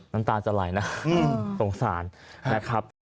น้ำตาจะไหลนะสงสารนะครับ